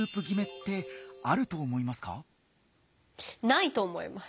ないと思います。